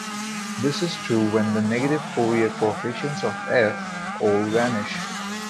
This is true when the negative Fourier coefficients of "f" all vanish.